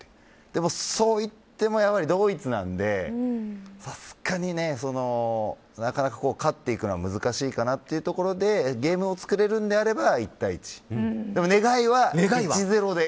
でも、そういってもドイツなのでさすがになかなか勝っていくのは難しいかなというところでゲームをつくれるのであれば１対１願いは１‐０で。